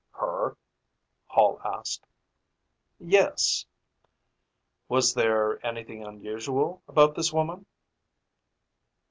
"Her?" Hall asked. "Yes." "Was there anything unusual about this woman?"